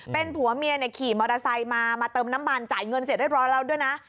เป็นผัวเมียขี่มอเตอร์ไซค์มามาเติมน้ำมันจ่ายเงินเสร็จเรียบร้อยแล้วด้วยนะ